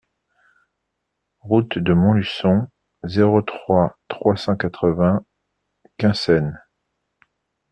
Route de Montluçon, zéro trois, trois cent quatre-vingts Quinssaines